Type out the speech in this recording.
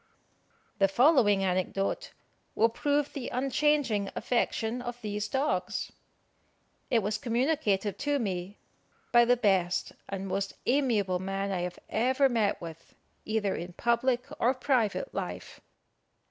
The following anecdote will prove the unchanging affection of these dogs. It was communicated to me by the best and most amiable man I have ever met with, either in public or private life.